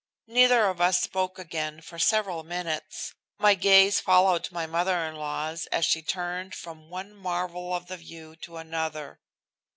Neither of us spoke again for several minutes. My gaze followed my mother in law's as she turned from one marvel of the view to another.